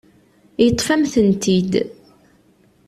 Yeṭṭef-am-tent-id.